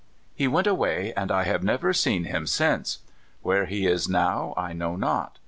He went away, and I have never seen him smce. Where he is now, I know not.